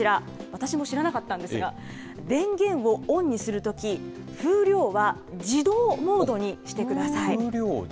私も知らなかったんですが、電源をオンにするとき、風量は自動モードにしてください。